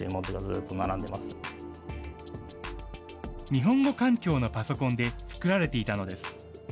日本語環境のパソコンで作られていたのです。